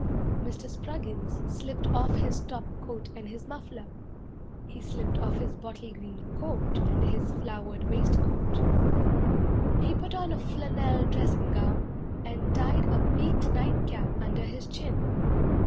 Mr. Spruggins slipped off his top coat and his muffler. He slipped off his bottle green coat And his flowered waistcoat. He put on a flannel dressing gown, And tied a peaked night cap under his chin.